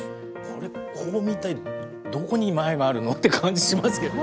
これ、どこに前があるのって感じしますけど。